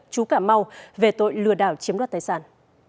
chú cảm mau về tội lừa đảo chiếm đoạt tài sản